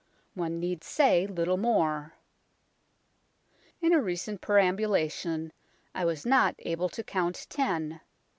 One need say little more. In a recent perambulation I was not able to count ten.